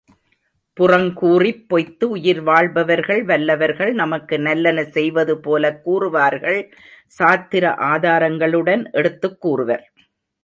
புறங்கூறிப் பொய்த்து உயிர் வாழ்பவர்கள் வல்லவர்கள், நமக்கு நல்லன செய்வது போலக் கூறுவார்கள் சாத்திர ஆதாரங்களுடன் எடுத்துக் கூறுவர்.